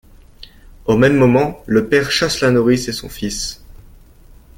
Au même moment, le père chasse la nourrice et son fils.